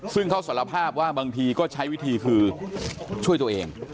ซึ่งเขาสารภาพว่าบางทีก็ใช้วิธีคือช่วยตัวเอง